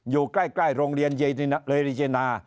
อยู่ใกล้โรงเรียนเรริเจนา